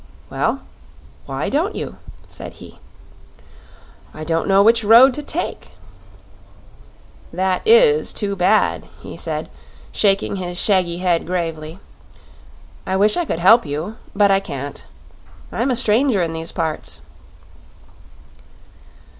"Well, why don't you?" said he. "I don't know which road to take." "That is too bad," he said, shaking his shaggy head gravely. "I wish I could help you; but I can't. I'm a stranger in these parts."